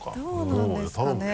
どうなんですかね。